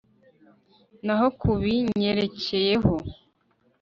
naho ku binyerekeyeko